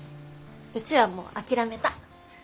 うちはもう諦めた。